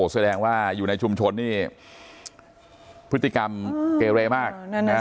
แสดงว่าอยู่ในชุมชนนี่พฤติกรรมเกเรมาก